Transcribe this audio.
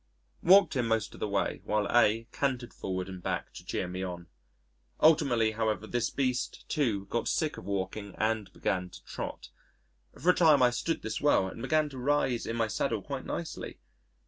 Walked him most of the way, while A cantered forward and back to cheer me on. Ultimately however this beast, too, got sick of walking and began to trot. For a time I stood this well and began to rise in my saddle quite nicely.